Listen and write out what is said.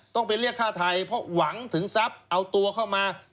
ต้องไปเรียกฆ่าไทยเพราะหวังถึงทรัพย์เอาตัวเข้ามา